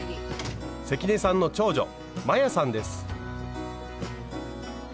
関根さんの長女摩耶さんです。